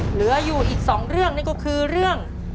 เหลืออยู่อีก๒เรื่องนั่นก็คือเรื่อง